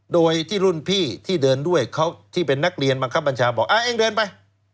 โดยที่รุ่นพี่ที่เดินด้วยเขาที่เป็นนักเรียนบังคับบัญชาบอกเองเดินไป